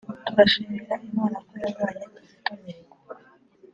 Turashimira Imana ko yavanye Kizito Mihigo